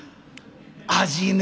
「味ね。